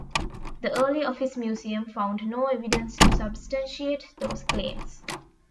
The Early Office Museum found no evidence to substantiate those claims.